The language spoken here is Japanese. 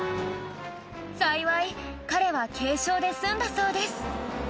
幸い彼は軽傷で済んだそうです